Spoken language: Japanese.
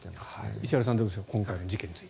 石原さん、どうでしょう今回の事件について。